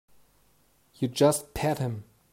You just pat him.